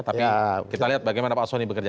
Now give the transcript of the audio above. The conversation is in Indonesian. tapi kita lihat bagaimana pak soni bekerja